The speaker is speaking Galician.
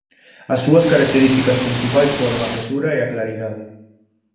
As súas características principais foron a mesura e a claridade.